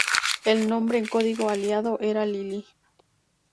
El nombre en código aliado era Lily.